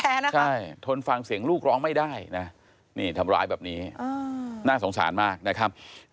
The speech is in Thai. ใช่นะคะใช่ทนฟังเสียงลูกร้องไม่ได้นะนี่ทำร้ายแบบนี้น่าสงสารมากนะครับ